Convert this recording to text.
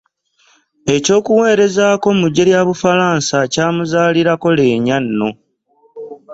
Eky’okuweerezaako mu ggye lya Bufalansa kyamuzaalirako leenya nno.